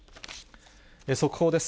速報です。